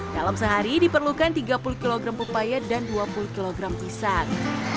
dalam sehari diperlukan tiga puluh kg pepaya dan dua puluh kg pisang